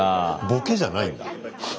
ボケじゃないんだ。